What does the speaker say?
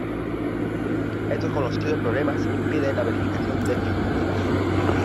Estos conocidos problemas impiden la verificación definitiva.